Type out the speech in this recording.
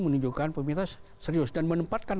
menunjukkan pemerintah serius dan menempatkan